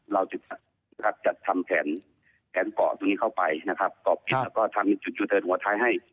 เราจัดทำแผนเกาะตัวนี้เข้าไปกอบพิษและทำจุดโถนหัวท้ายให้